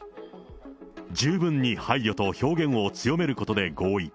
十分に配慮と表現を強めることで合意。